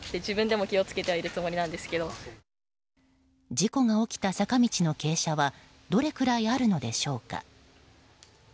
事故が起きた坂道の傾斜はどれくらいあるのでしょうか。